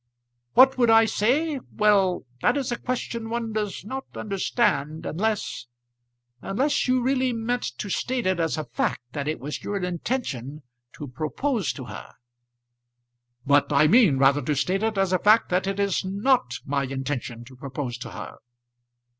"What would I say? Well that is a question one does not understand, unless unless you really meant to state it as a fact that it was your intention to propose to her." "But I mean rather to state it as a fact that it is not my intention to propose to her."